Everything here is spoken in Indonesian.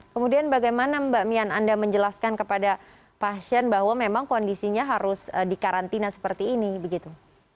kemudian bagaimana mbak mian anda menjelaskan kepada pasien bahwa memang kondisinya harus dikarantina seperti ini begitu